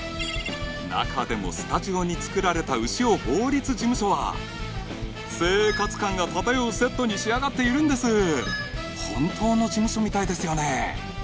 中でもスタジオに作られた潮法律事務所は生活感が漂うセットに仕上がっているんです本当の事務所みたいですよね